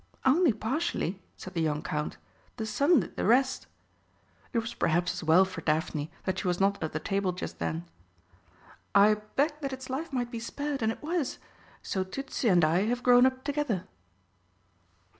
"Only partially," said the young Count; "the sun did the rest." (It was perhaps as well for Daphne that she was not at the table just then.) "I begged that its life might be spared, and it was. So Tützi and I have grown up together."